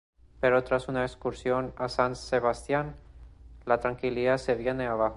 Pero tras una excursión a San Sebastián la tranquilidad se viene abajo.